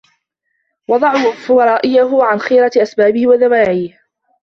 وَضَعُفَ رَأْيُهُ عَنْ خِيرَةِ أَسْبَابِهِ وَدَوَاعِيهِ